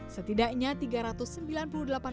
setidaknya tiga ratus sementara